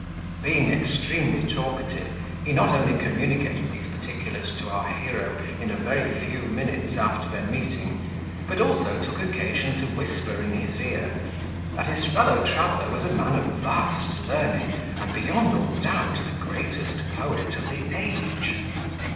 Being extremely talkative, he not only communicated these particulars to our hero in a very few minutes after their meeting, but also took occasion to whisper in his ear that his fellow traveller was a man of vast learning and, beyond all doubt, the greatest poet of the age.